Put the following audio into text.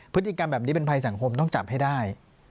พฤติกรรมแบบนี้เป็นภัยสังคมต้องจับให้ได้